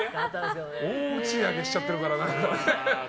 大打ち上げしちゃってるから。